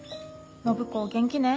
暢子元気ね？